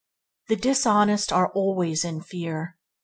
The dishonest are always in fear.